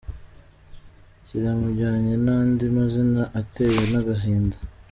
kiramujyanye n΄andi mazina ateye agahinda.